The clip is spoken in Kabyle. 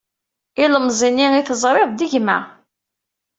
Ilemẓi-nni ay teẓriḍ d gma.